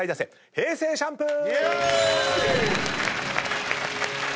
平成シャンプー！